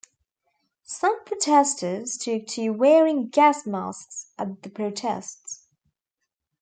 Some protesters took to wearing gas masks at the protests.